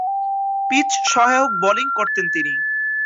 Pitch সহায়ক bowling করতেন তিনি।